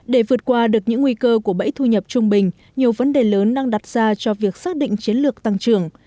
để vượt qua được những nguy cơ của bẫy thu nhập trung bình nhiều vấn đề lớn đang đặt ra cho việc xác định chiến lược tăng trưởng